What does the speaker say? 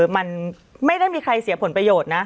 มันไม่ได้มีใครเสียผลประโยชน์นะ